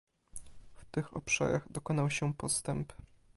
W tych obszarach dokonał się postęp